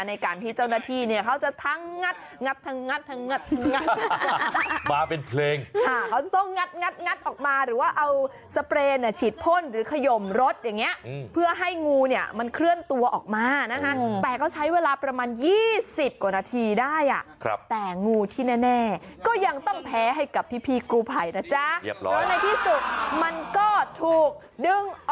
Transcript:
ในการที่เจ้าหน้าที่เนี่ยเขาจะทั้งงัด